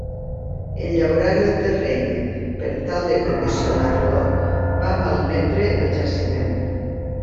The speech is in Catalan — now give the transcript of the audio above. En llaurar el terreny per tal de condicionar-lo va malmetre el jaciment.